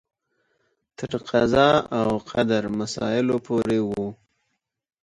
تر قضا او قدر مسایلو پورې و.